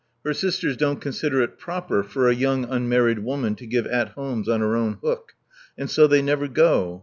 Her sisters don't consider it proper for a young unmarried woman to give at homes on her own hook ; and so they never go.